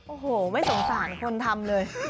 โอ้โหไม่สงสารคนทำเลย